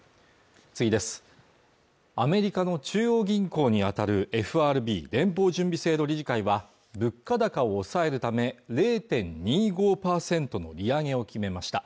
アメリカの中央銀行にあたるＦＲＢ＝連邦準備制度理事会は物価高を抑えるため０．２５％の利上げを決めました